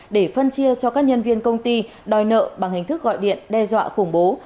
để phân chia cho các nhân viên công ty đòi nợ bằng hình thức gọi điện đe dọa khủng bố